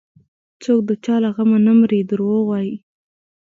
څوك د چا له غمه نه مري دروغ وايي